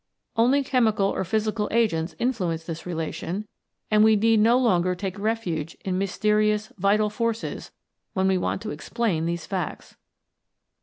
Only chemical or physical agents influence this relation, and we need no longer take refuge in mysterious " vital forces " when we want to explain these facts.